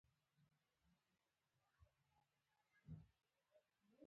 نو کېدای شي د نابرابرۍ توپیرونه راکم شي